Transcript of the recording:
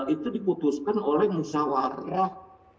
itu diputuskan oleh musawarah